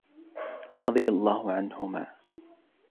رضِي اللهُ عَنْهُما